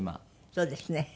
そうですね。